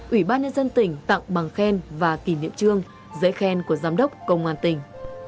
ủy ban nhân dân tỉnh tặng bằng khen và kỷ niệm trương dễ khen của giám đốc công an tỉnh